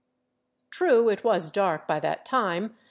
True, it was dark by that time.